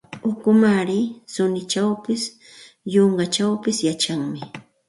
Ukumaari suninchawpis, yunkachawpis yachanmi.